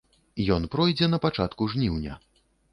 Ён пройдзе на пачатку жніўня.